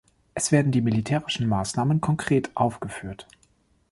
Es werden die militärischen Maßnahmen konkret aufgeführt.